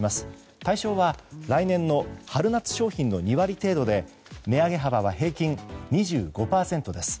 対象は来年の春夏商品の２割程度で値上げ幅は平均２５％です。